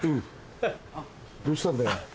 どうしたんだよ。